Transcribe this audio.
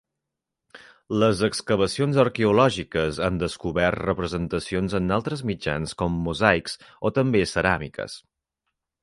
Les excavacions arqueològiques han descobert representacions en altres mitjans com mosaics o també ceràmiques.